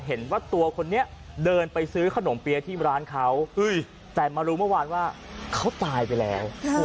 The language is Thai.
เห็นว่าตัวคนนี้เดินไปซื้อขนมเปี๊ยะที่ร้านเขาแต่มารู้เมื่อวานว่าเขาตายไปแล้ว